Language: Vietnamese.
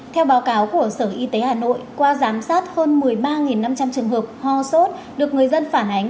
theo báo cáo của sở y tế hà nội qua giám sát hơn một mươi ba năm trăm linh trường hợp ho sốt được người dân phản ánh